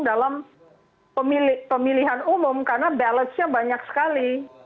dalam pemilihan umum karena balance nya banyak sekali